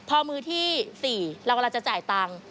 พอมือที่๔เรากำลังจะจ่ายตังค์